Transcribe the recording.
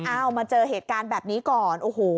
เอ้ามาเจอเหตุการณ์แบบนี้ก่อน